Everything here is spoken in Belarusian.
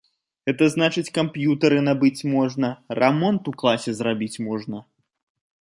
Гэта значыць камп'ютары набыць можна, рамонт у класе зрабіць можна.